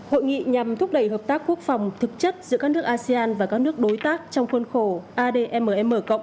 hội nghị nhằm thúc đẩy hợp tác quốc phòng thực chất giữa các nước asean và các nước đối tác trong khuôn khổ admm